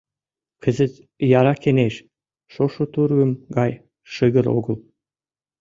Кызыт яра кеҥеж, шошо тургым гай шыгыр огыл.